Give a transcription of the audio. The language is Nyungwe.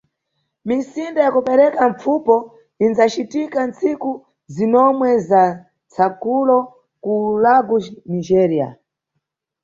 Misinda ya kupereka mpfupo inʼdzacitika ntsiku zinomwe za Tsakulo, ku Lagos, Nigéria.